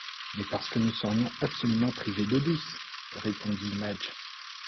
Mais parce que nous serions absolument privés d’eau douce! répondit Madge.